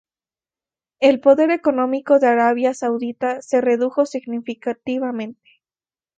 El poder económico de Arabia Saudita se redujo significativamente.